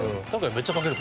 めっちゃかける。